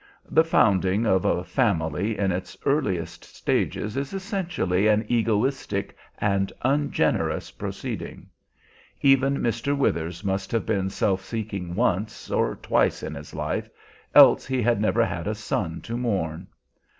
The founding of a family in its earliest stages is essentially an egoistic and ungenerous proceeding. Even Mr. Withers must have been self seeking once or twice in his life, else had he never had a son to mourn.